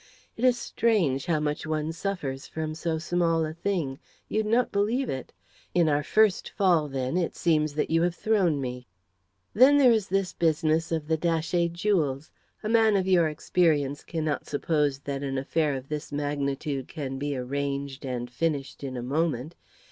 It is strange how much one suffers from so small a thing. You'd not believe it. In our first fall, then, it seems that you have thrown me. "Then there is this business of the Datchet jewels. A man of your experience cannot suppose that an affair of this magnitude can be arranged and finished in a moment.